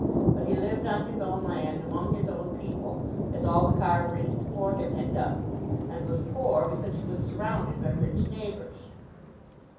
But he lived on his own land among his own people, as all the Carburys before him had done, and was poor because he was surrounded by rich neighbours.